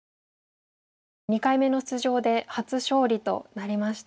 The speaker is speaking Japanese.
２回目の出場で初勝利となりました。